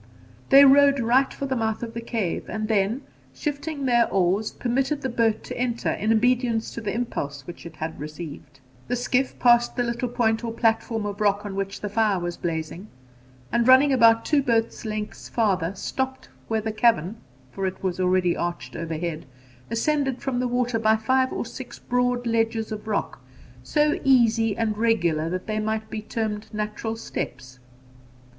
They rowed right for the mouth of the cave, and then, shifting their oars, permitted the boat to enter in obedience to the impulse which it had received. The skiff passed the little point or platform of rock on which the fire was blazing, and running about two boats' lengths farther, stopped where the cavern (for it was already arched overhead) ascended from the water by five or six broad ledges of rock, so easy and regular that they might be termed natural steps.